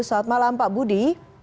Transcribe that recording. selamat malam pak budi